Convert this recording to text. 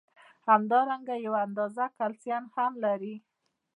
همدارنګه یو اندازه کلسیم هم لري.